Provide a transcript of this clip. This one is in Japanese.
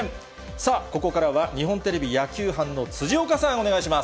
さあ、ここからは日本テレビ野球班の辻岡さん、お願いします。